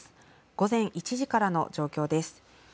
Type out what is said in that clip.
午前１時からの状況です。